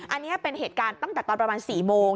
อันนี้เป็นเหตุการณ์ตั้งแต่ตอนประมาณ๔โมง